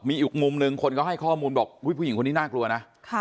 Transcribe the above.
มีอีกมุมหนึ่งคนเขาให้ข้อมูลบอกผู้หญิงคนนี้น่ากลัวนะ